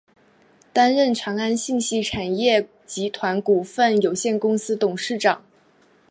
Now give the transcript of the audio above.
担任长安信息产业集团股份有限公司董事长。